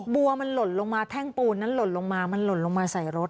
บัวมันหล่นลงมาแท่งปูนนั้นหล่นลงมามันหล่นลงมาใส่รถ